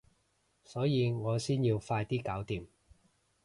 所以我先要快啲搞掂